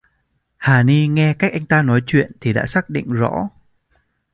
Hà Ni nghe cách anh ta nói chuyện thì đã xác định rõ